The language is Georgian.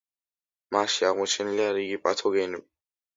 მასში აღმოჩენილია რიგი პათოგენები.